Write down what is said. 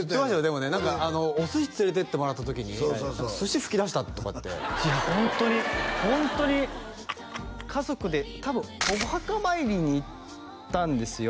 でもね何かお寿司連れていってもらった時に寿司噴き出したとかっていやホントにホントに家族で多分お墓参りに行ったんですよ